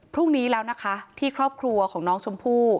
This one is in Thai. พรุ่งนี้แล้วนะคะที่ครอบครัวของน้องชมพู่